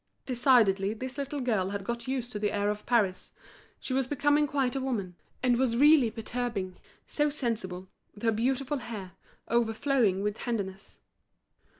Decidedly this little girl had got used to the air of Paris, she was becoming quite a woman, and was really perturbing, so sensible, with her beautiful hair, overflowing with tenderness.